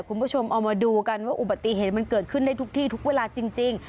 คุณผู้ชมเอามาดูกันว่าอุบัติเหตุมันเกิดขึ้นได้ทุกที่ทุกเวลาจริง